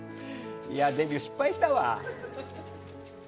デビュー失敗したわ！